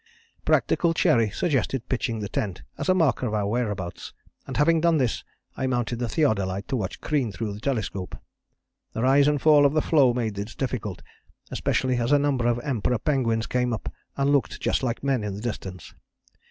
"Practical Cherry suggested pitching the tent as a mark of our whereabouts, and having done this I mounted the theodolite to watch Crean through the telescope. The rise and fall of the floe made this difficult, especially as a number of Emperor penguins came up and looked just like men in the distance.